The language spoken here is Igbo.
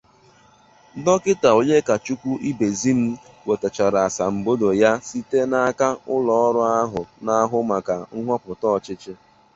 Dọkịta Onyekachukwu Ibezim nwètèchara asambodo ha site n'aka ụlọọrụ ahụ na-ahụ maka nhọpụta ọchịchị